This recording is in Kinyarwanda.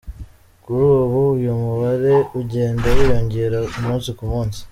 Kuri ubu uyu mubare ugenda wiyongera umunsi ku munsi.